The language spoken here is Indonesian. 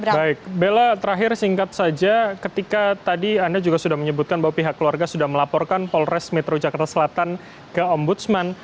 baik bella terakhir singkat saja ketika tadi anda juga sudah menyebutkan bahwa pihak keluarga sudah melaporkan polres metro jakarta selatan ke ombudsman